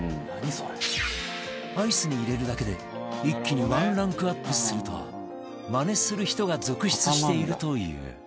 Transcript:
それ」アイスに入れるだけで一気にワンランクアップするとマネする人が続出しているという